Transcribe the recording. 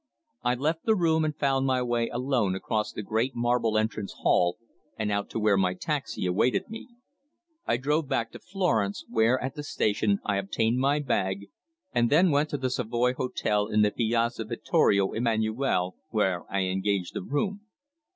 I left the room and found my way alone across the great marble entrance hall, and out to where my taxi awaited me. I drove back to Florence, where, at the station, I obtained my bag, and then went to the Savoy Hotel in the Piazza Vittorio Emanuele, where I engaged a room.